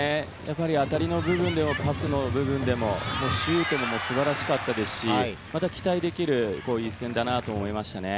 あたりの部分でもパスの部分でも、シュートでも素晴らしかったですし、期待できる一戦だと思います。